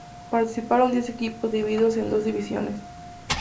Participaron diez equipos divididos en dos divisiones.